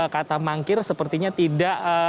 kata mangkir sepertinya tidak